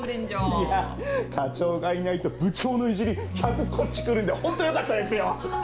いや課長がいないと部長のイジリ１００こっち来るんでホントよかったですよ！